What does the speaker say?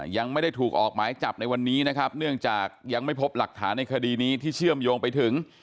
ยังไม่ได้ถูกออกหมายจับในวันนี้นะครับเนื่องจากยังไม่พบหลักฐานในคดีนี้ที่เชื่อมโยงไปถึง